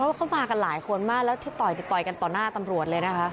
ว่าเขามากันหลายคนมากแล้วที่ต่อยต่อยกันต่อหน้าตำรวจเลยนะคะ